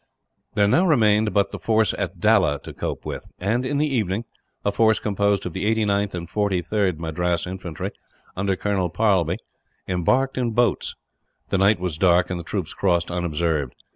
There now remained but the force at Dalla to cope with and, in the evening, a force composed of the 89th and 43rd Madras Infantry, under Colonel Parlby, embarked in boats. The night was dark, and the troops crossed unobserved.